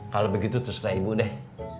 kalau begitu teruslah ibu deh